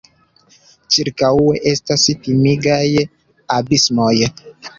Ĉirkaŭe estas timigaj abismoj.